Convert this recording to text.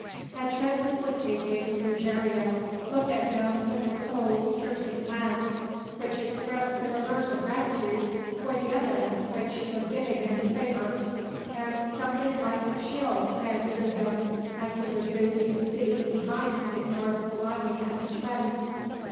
As Francis was speaking, Ruggiero looked at him with a cold piercing glance, which expressed the reverse of gratitude for the evidence which he was giving in his favour, and something like a chill ran through him as he resumed his seat behind Signor Polani and his friends.